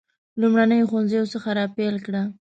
لومړنیو ښوونځیو څخه را پیل کړه.